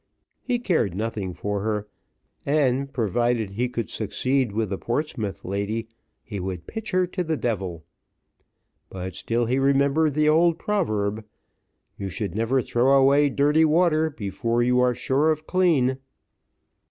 he cared nothing for her, and provided he could succeed with the Portsmouth lady, he would pitch her to the devil; but still he remembered the old proverb, "You should never throw away dirty water before you are sure of clean."